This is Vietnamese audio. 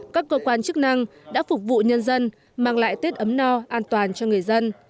các cơ quan chức năng đã phục vụ nhân dân mang lại tết ấm no an toàn cho người dân